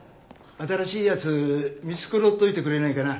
新しいやつ見繕っといてくれないかな。